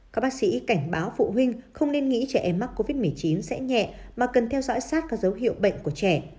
các bác sĩ cảnh báo phụ huynh không nên nghĩ trẻ em mắc covid một mươi chín sẽ nhẹ mà cần theo dõi sát các dấu hiệu bệnh của trẻ